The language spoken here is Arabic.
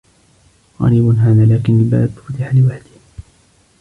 غريب هذا، لكن الباب فتح لوحده.